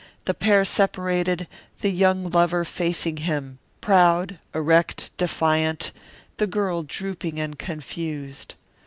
The pair separated, the young lover facing him, proud, erect, defiant, the girl drooping and confused.